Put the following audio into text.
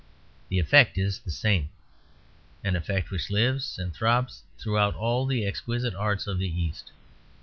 The effect is the same, an effect which lives and throbs throughout all the exquisite arts of the East.